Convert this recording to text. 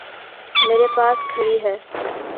میرے پاس کھڑی ہے۔